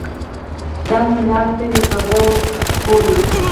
دنګه مناره څه وي په غره پورې.